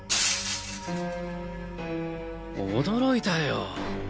驚いたよ。